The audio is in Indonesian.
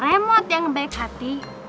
remote yang baik hati